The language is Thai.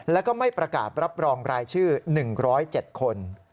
แล้วก็ไม่ประกาศรับรองรายชื่อ๑๐๗คน